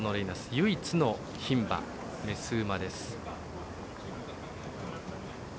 唯一の牝馬、雌馬です。